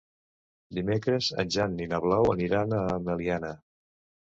Dimecres en Jan i na Blau aniran a Meliana.